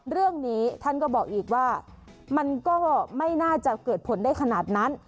เรื่องนี้ท่านก็บอกอีกว่ามันก็ไม่น่าจะเกิดผลได้ขนาดนั้น